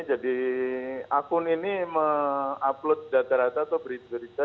jadi akun ini mengupload data rata atau berita berita